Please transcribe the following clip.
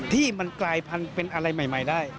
ที่มันกลายพันธุ์เป็นอะไรใหม่ได้